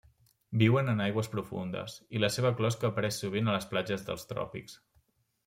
Viuen en aigües profundes i la seva closca apareix sovint a les platges dels tròpics.